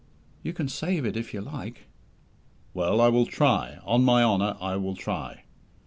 "You can save it if you like." "Well, I will try. On my honour, I will try."